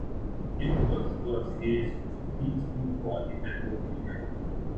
Nicholas lost his dignity by the end of the year.